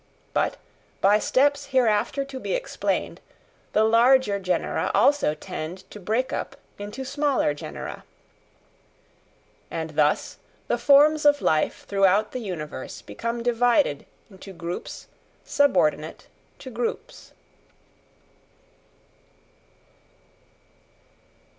But, by steps hereafter to be explained, the larger genera also tend to break up into smaller genera. And thus, the forms of life throughout the universe become divided into groups subordinate to groups.